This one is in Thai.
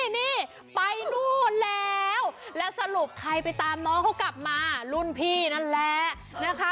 นี่ไปนู่นแล้วแล้วสรุปใครไปตามน้องเขากลับมารุ่นพี่นั่นแหละนะคะ